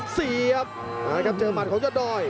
เสียบมาครับเจอหมัดของยอดดอย